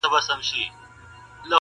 ځوانان هڅه کوي هېر کړي ډېر-